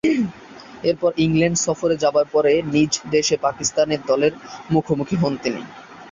এরপর, ইংল্যান্ড সফরে যাবার পর নিজ দেশে পাকিস্তান এ দলের মুখোমুখি হন।